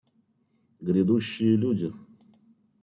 Грядущие люди!